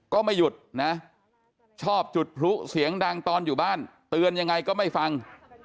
ก็ไม่หยุดนะชอบจุดพลุเสียงดังตอนอยู่บ้านเตือนยังไงก็ไม่ฟัง